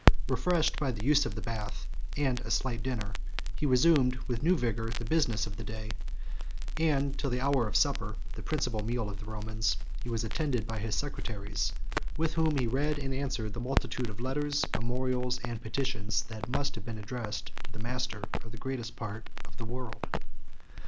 Refreshed by the use of the bath and a slight dinner, he resumed, with new vigor, the business of the day; and, till the hour of supper, the principal meal of the Romans, he was attended by his secretaries, with whom he read and answered the multitude of letters, memorials, and petitions, that must have been addressed to the master of the greatest part of the world.